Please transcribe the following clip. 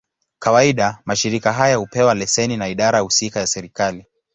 Kawaida, mashirika haya hupewa leseni na idara husika ya serikali.